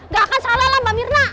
gak akan salah lah mbak mirna